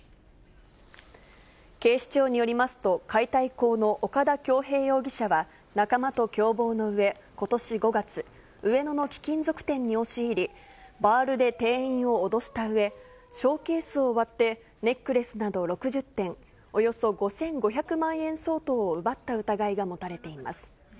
警視庁によりますと、解体工の岡田響平容疑者は、仲間と共謀のうえ、ことし５月、上野の貴金属店に押し入り、バールで店員を脅したうえ、ショーケースを割って、ネックレスなど６０点、およそ５５００万円相当を奪った疑いが持たれています。